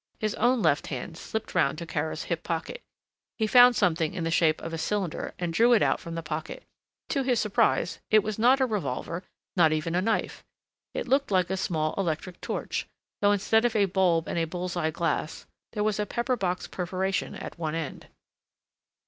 His own left hand slipped round to Kara's hip pocket. He found something in the shape of a cylinder and drew it out from the pocket. To his surprise it was not a revolver, not even a knife; it looked like a small electric torch, though instead of a bulb and a bull's eye glass, there was a pepper box perforation at one end.